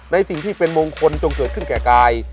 ในสิ่งที่เป็นมงคลจงเกิดขึ้นแก่กาย